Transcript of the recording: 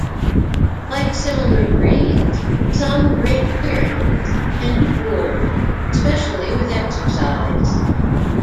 Like similar breeds, some Great Pyrenees tend to drool, especially with exercise.